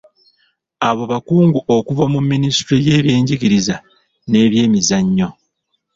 Abo bakungu okuva mu minisitule y'ebyenjigiriza n'ebyemizannyo.